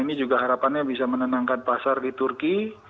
ini juga harapan yang bisa menenangkan pasar di turki